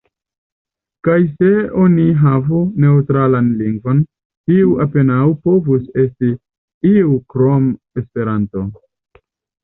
Kaj se oni havu neŭtralan lingvon, tiu apenaŭ povus esti iu krom Esperanto!